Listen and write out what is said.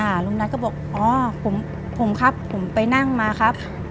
ลุงนัทก็บอกอ๋อผมผมครับผมไปนั่งมาครับ